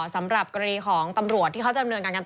สำหรับกรณีของตำรวจที่เขาจำเนินการกันต่อ